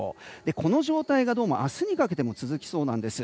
この状態がどうも明日にかけても続きそうなんです。